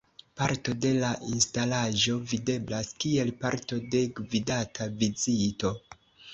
Parto de la instalaĵo videblas kiel parto de gvidata vizito.